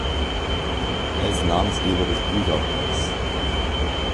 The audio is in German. Er ist Namensgeber des Busa Prize.